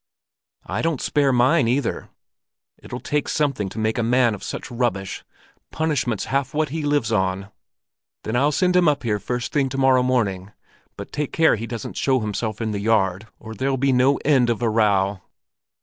"I don't spare mine either. It'll take something to make a man of such rubbish; punishment's half what he lives on. Then I'll send him up here first thing to morrow morning; but take care he doesn't show himself in the yard, or there'll be no end of a row!"